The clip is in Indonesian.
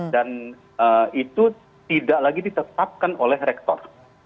itu tidak lagi ditetapkan oleh rektor